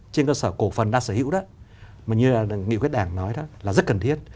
trên cơ sở cổ phần đang sở hữu đó mà như nghị quyết đảng nói đó là rất cần thiết